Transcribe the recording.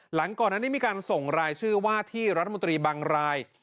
หลังก่อนอันนี้มีการส่งรายชื่อว่าที่รัฐมนตรีบางราย